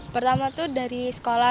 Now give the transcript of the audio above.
pertama tuh dari sekolah